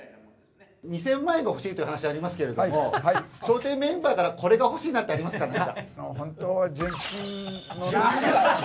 ２０００万円が欲しいという話がありますけれども、笑点メンバーからこれが欲しいなっていうのはありますか？